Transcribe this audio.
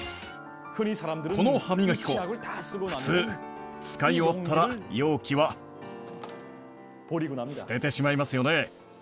この歯磨き粉、普通、使い終わったら、容器は捨ててしまいますよね。